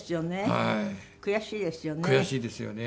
悔しいですよね。